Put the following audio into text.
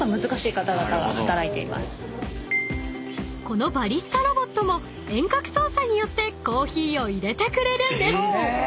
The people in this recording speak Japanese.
［このバリスタロボットも遠隔操作によってコーヒーを入れてくれるんです］